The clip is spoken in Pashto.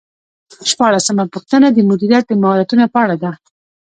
شپاړسمه پوښتنه د مدیریت د مهارتونو په اړه ده.